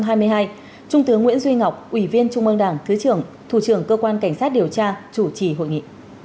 trung tướng nguyễn duy ngọc ủy viên trung ương đảng thứ trưởng thủ trưởng cơ quan cảnh sát điều tra chủ trì hội nghị